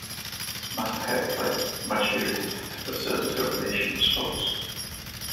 Master Heathcliff, much irritated, asserted her relation was false.